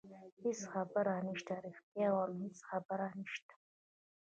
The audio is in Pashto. هېڅ خبره نشته، رښتیا وایم هېڅ خبره نشته.